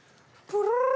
「プルルル」